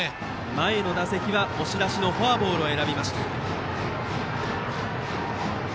前の打席は押し出しのフォアボールを選びました。